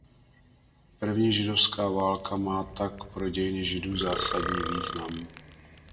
První židovská válka má tak pro dějiny Židů zásadní význam.